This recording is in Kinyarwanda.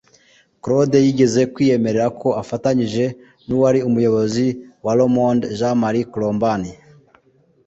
Claude Silberzahn yigeze kwiyemerera ko afatanyije n’uwari Umuyobozi wa Le Monde Jean-Marie Colombani